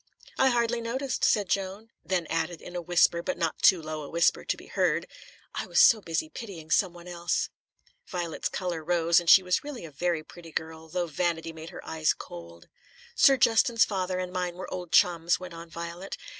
"I hardly noticed," said Joan; then added, in a whisper, but not too low a whisper to be heard: "I was so busy pitying someone else." Violet's colour rose, and she was really a very pretty girl, though vanity made her eyes cold. "Sir Justin's father and mine were old chums," went on Violet.